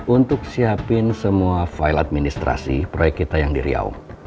untuk siapin semua viola administrasi proyek kita yang di riau